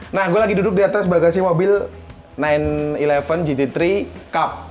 nah gue lagi duduk di atas bagasi mobil sembilan sebelas gt tiga cup